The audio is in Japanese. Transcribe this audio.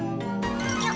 よっ！